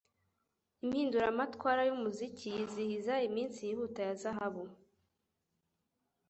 impinduramatwara yumuziki yizihiza iminsi yihuta ya zahabu